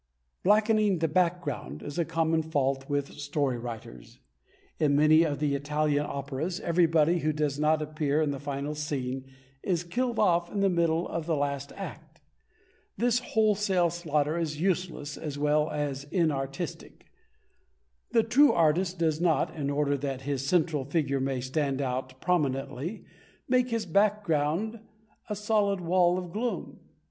"Blackening the background" is a common fault with story writers. In many of the Italian operas, everybody who does not appear in the final scene is killed off in the middle of the last act. This wholesale slaughter is useless as well as inartistic. The true artist does not, in order that his central figure may stand out prominently, make his background a solid wall of gloom.